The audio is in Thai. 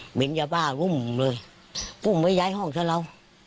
เหม็นอย่าบ้ารุ่มเลยกลุ่มไปย้ายห้องเฉลา